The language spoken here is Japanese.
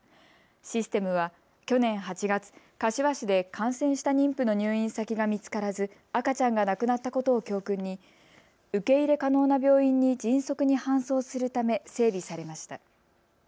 システムは去年８月、柏市で感染した妊婦の入院先が見つからず、赤ちゃんが亡くなったことを教訓に受け入れ可能な病院に迅速に搬送するため整備されました。